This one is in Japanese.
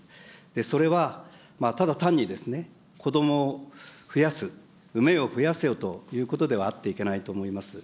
それはただ単に子どもを増やす、産めよ、増やせよということであってはいけないと思います。